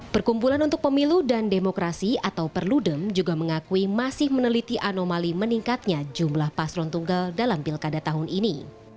perkumpulan untuk pemilu dan demokrasi atau perludem juga mengakui masih meneliti anomali meningkatnya jumlah paslon tunggal dalam pilkada tahun ini